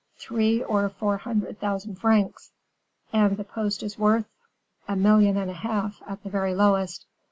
"Three or four hundred thousand francs." "And the post is worth " "A million and a half, at the very lowest.